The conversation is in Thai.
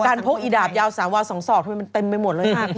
การพกบอกกันดาบยาว๓วา๒ศอกทำไมมันเต็มไปหมดเลย